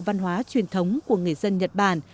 văn hóa truyền thống của người dân nhật bản